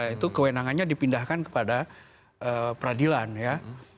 itu kewenangannya dipindahkan kepada peradilan ya